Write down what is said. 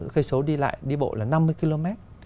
cây số đi lại đi bộ là năm mươi km